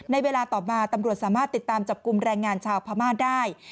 ในเวลาต่อมาตำรวจสามารถติดตามจับกลุ่มแรงงานชาวพม่าได้